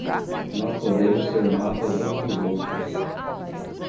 Nós podemos ser mapas uns dos outros